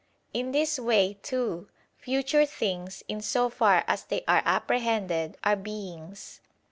In this way, too, future things, in so far as they are apprehended, are beings.